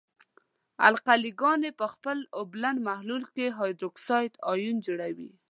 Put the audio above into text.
القلې ګاني په خپل اوبلن محلول کې هایدروکساید آیون جوړوي.